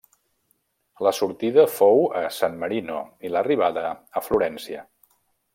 La sortida fou a San Marino i l'arribada a Florència.